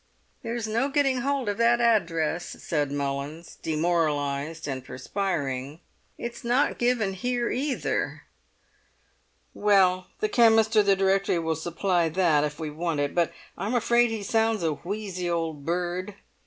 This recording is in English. "There's no getting hold of that address," said Mullins, demoralised and perspiring. "It's not given here either." "Well, the chemist or the directory will supply that if we want it, but I'm afraid he sounds a wheezy old bird.